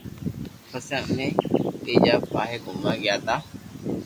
پسي امي ٻيجا پاھي گوموا گيا تا